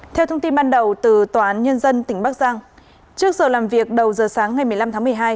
theo thông tin ban đầu từ tòa án nhân dân tỉnh bắc giang trước giờ làm việc đầu giờ sáng ngày một mươi năm tháng một mươi hai